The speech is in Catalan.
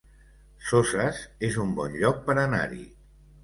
Soses es un bon lloc per anar-hi